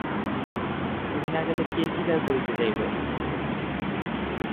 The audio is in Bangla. তুমি না গেলে কে শিকার করিতে যাইবে।